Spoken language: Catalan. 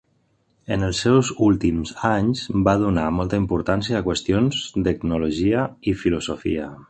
En els seus últims anys, va donar molta importància a qüestions d'etnologia i filosofia.